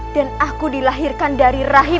dan aku dilahirkan dari rahim